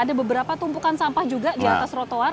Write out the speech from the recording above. ada beberapa tumpukan sampah juga di atas trotoar